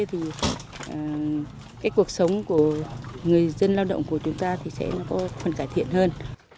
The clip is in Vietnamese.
thì cuộc sống của người dân lao động của chúng ta sẽ có phần cải thiện hơn